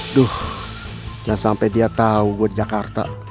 aduh jangan sampai dia tau gue di jakarta